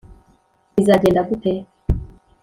bizagenda gute?